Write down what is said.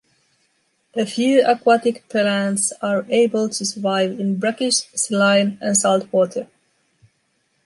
A few aquatic plants are able to survive in brackish, saline, and salt water.